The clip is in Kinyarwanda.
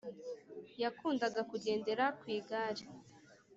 Yakundaga kugendera kw’igare